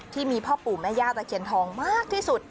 ที่มีพ่อปู่แม่ย่าตะเคียนทองมากที่สุด